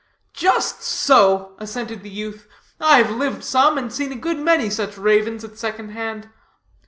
"Just so," assented the youth. "I've lived some, and seen a good many such ravens at second hand.